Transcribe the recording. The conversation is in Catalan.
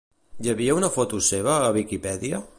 Hi havia una foto seva a Viquipèdia?